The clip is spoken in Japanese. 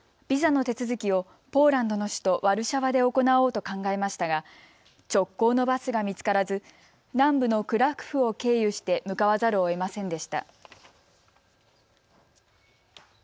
ビザの手続きをポーランドの首都ワルシャワで行おうと考えましたが、直行のバスが見つからず南部のクラクフを経由して向かわざるをえませんでした。